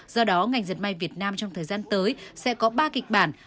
do đó ngành diệt may việt nam trong thời gian tới sẽ có ba kịch bản